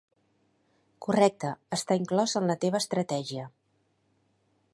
Correcte, està inclòs en la teva estratègia.